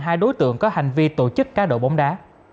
hai đối tượng có hành vi tổ chức cá độ bóng đá